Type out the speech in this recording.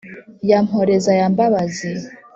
ya mporeza ya mbabazi,